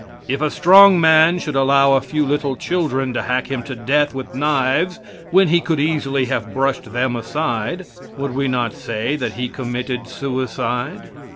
If a strong man should allow a few little children to hack him to death with knives when he could easily have brushed them aside, would we not say that he committed suicide?